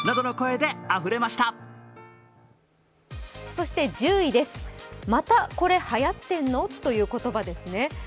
そして１０位です、またこれ流行ってんの！？！？という言葉ですね。